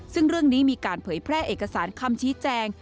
ซึ่งเรื่องนี้มีการเผยแพร่เอกสารคำชี้แจง